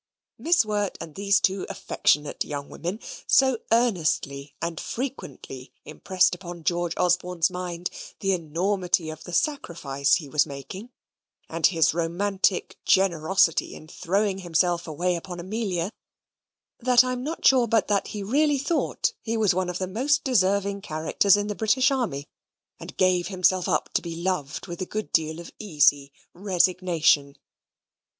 Miss Wirt and these two affectionate young women so earnestly and frequently impressed upon George Osborne's mind the enormity of the sacrifice he was making, and his romantic generosity in throwing himself away upon Amelia, that I'm not sure but that he really thought he was one of the most deserving characters in the British army, and gave himself up to be loved with a good deal of easy resignation.